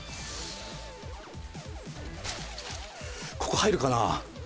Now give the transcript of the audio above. ここ入るかな？